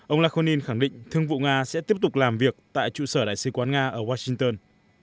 ông lakhonin khẳng định thương vụ nga sẽ tiếp tục làm việc tại trụ sở đại sứ quán nga ở washington